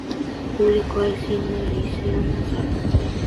Publikoa ezin da leizean sartu.